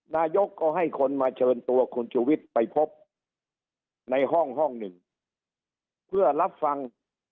นายกก็ให้คนมาเชิญตัวคุณชุวิตไปพบในห้องห้องหนึ่งเพื่อรับฟัง